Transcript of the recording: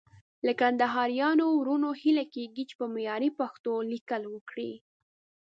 له کندهاريانو وروڼو هيله کېږي چې په معياري پښتو ليکل وکړي.